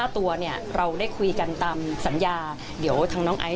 ถ้าเราขายได้๑ล้านกล่อง